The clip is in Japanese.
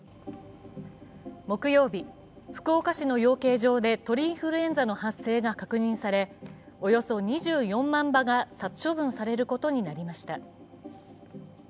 木曜日、福岡市の養鶏場で鳥インフルエンザの発生が確認されおよそ２４万羽が殺処分されることになりました。